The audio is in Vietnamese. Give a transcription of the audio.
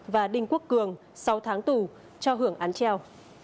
và đinh quốc cường sáu tháng tù cho hưởng án treo